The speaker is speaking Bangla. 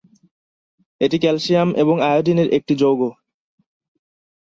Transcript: এটি ক্যালসিয়াম এবং আয়োডিনের একটি যৌগ।